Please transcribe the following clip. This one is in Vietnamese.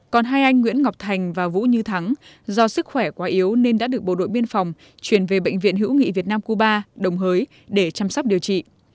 còn hai anh nguyễn ngọc thành và vũ như thắng do sức khỏe quá yếu nên đã được bộ đội biên phòng chuyển về bệnh viện hữu nghị việt nam cuba đồng hới để chăm sóc điều trị